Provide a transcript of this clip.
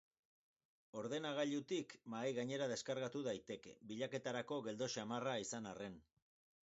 Ordenagailutik, mahai gainera deskargatu daiteke, bilaketarako geldo xamarra izan arren.